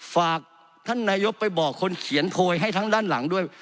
ฝากท่านนายกไปบอกคนเขียนโพยให้ทั้งด้านหลังด้วย